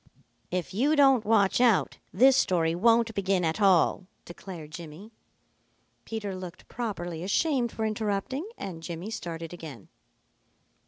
"If you don't watch out, this story won't begin at all," declared Jimmy. Peter looked properly ashamed for interrupting, and Jimmy started again.